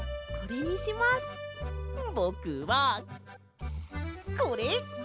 ぼくはこれ！